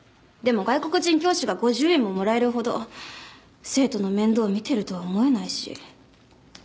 でも外国人教師が５０円ももらえるほど生徒の面倒を見てるとは思えないし。